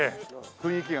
雰囲気が。